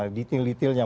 tapi di titil titilnya